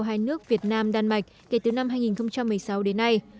hai nước việt nam đan mạch kể từ năm hai nghìn một mươi sáu đến nay